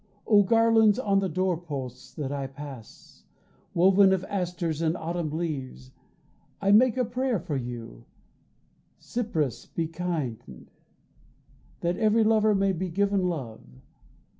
Oh garlands on the doorposts that I pass, Woven of asters and of autumn leaves, I make a prayer for you: Cypris be kind, That every lover may be given love.